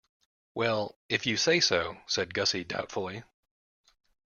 "Well, if you say so," said Gussie doubtfully.